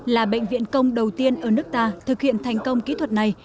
là bệnh viện công đầu tiên ở nước ta thực hiện thành công kỹ thuật này